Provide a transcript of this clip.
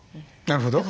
なるほど。